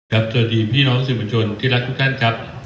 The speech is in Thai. สวัสดีพี่น้องสื่อมวลชนที่รักทุกท่านครับ